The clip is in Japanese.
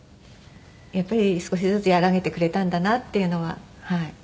やっぱり少しずつ和らげてくれたんだなっていうのは思いますね。